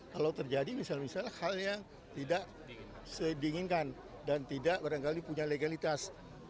kalau terjadi misalnya hal yang tidak sedinginkan dan tidak barangkali punya legalitas